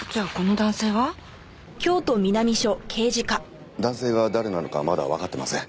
男性が誰なのかはまだわかっていません。